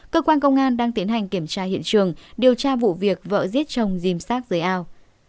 cơ quan công an đang tiến hành kiểm tra hiện trường điều tra vụ việc vợ giết chồng dìm sát dưới ao